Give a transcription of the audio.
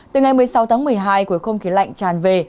từ ngày một mươi sáu tháng một mươi hai khối không kỳ lạnh tràn về